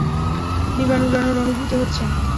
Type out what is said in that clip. বিমান উড়ানোর অনুভূতি হচ্ছে।